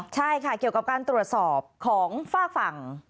ใช่ค่ะเกี่ยวกับการตรวจสอบของฝากฝั่ง